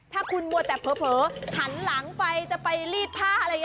ถ้าคุณมัวแต่เผลอหันหลังไปจะไปรีดผ้าอะไรอย่างนี้